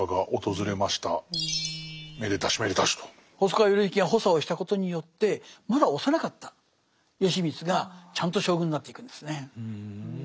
細川頼之が補佐をしたことによってまだ幼かった義満がちゃんと将軍になっていくんですね。